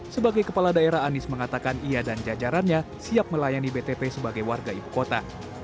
sebagai kepala daerah anies mengatakan ia dan jajarannya siap melayani btp sebagai warga ibu kota